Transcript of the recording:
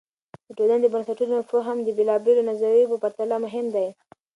د ټولنې د بنسټونو فهم د بېلابیلو نظریو په پرتله مهم دی.